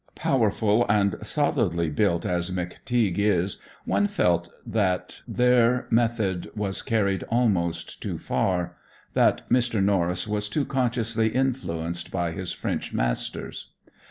Powerful and solidly built as "McTeague" is, one felt that there method was carried almost too far, that Mr. Norris was too consciously influenced by his French masters.